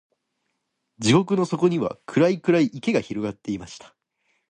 地獄の底には、暗い暗い池が広がっていました。